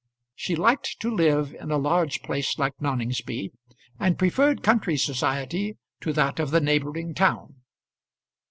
She liked to live in a large place like Noningsby, and preferred country society to that of the neighbouring town.